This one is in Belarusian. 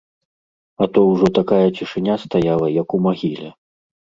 А то ўжо такая цішыня стаяла, як у магіле.